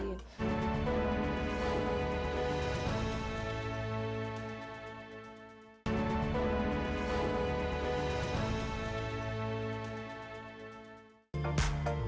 sebagai seorang pemilik kaki lima